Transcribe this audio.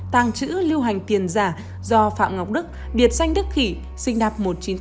tăng chữ lưu hành tiền giả do phạm ngọc đức điệt xanh đức khỉ sinh đạp một nghìn chín trăm tám mươi chín